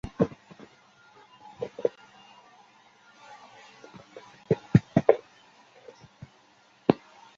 出身于日本岩手县。